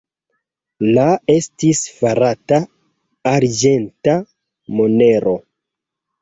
La estis farata arĝenta monero.